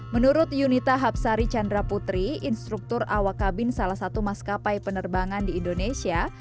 menurut yunita hapsari chandra putri instruktur awak kabin salah satu maskapai penerbangan di indonesia